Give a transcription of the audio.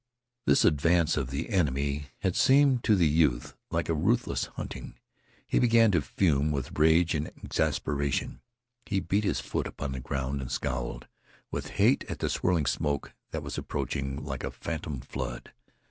This advance of the enemy had seemed to the youth like a ruthless hunting. He began to fume with rage and exasperation. He beat his foot upon the ground, and scowled with hate at the swirling smoke that was approaching like a phantom flood.